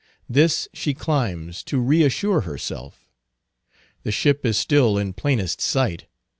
This she climbs, to reassure herself. The ship is still in plainest sight.